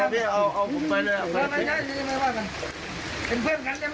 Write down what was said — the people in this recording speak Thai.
เป็นเพื่อนกันได้ไหมเพื่อนกันครับ